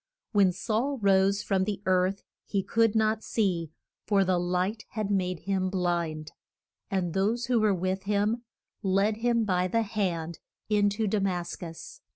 When Saul rose from the earth he could not see, for the light had made him blind; and those who were with him led him by the hand in to Da mas cus.